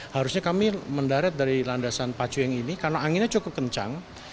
harusnya kami mendarat dari landasan pacu yang ini karena anginnya cukup kencang